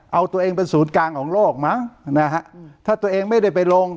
เอาตัวเองเป็นศูนย์กลางของโลกมั้งนะฮะถ้าตัวเองไม่ได้ไปลง